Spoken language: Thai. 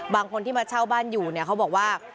บางคนที่มาเช่าบ้านอยู่เนี่ยเขาบอกว่า